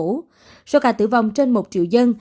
tổng số ca tử vong trên một triệu dân